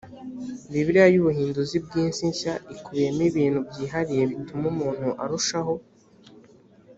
bibiliya y ubuhinduzi bw isi nshya ikubiyemo ibintu byihariye bituma umuntu arushaho